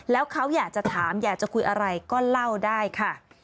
แล้วเขาอยากจะถามอยากจะคุยอะไรก็เล่าได้ค่ะ